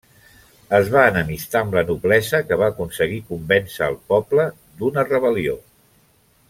Es va enemistar amb la noblesa que va aconseguir convèncer al poble d'una rebel·lió.